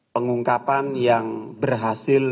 pengungkapan yang berhasil